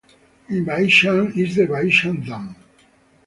In Baishan is the Baishan Dam.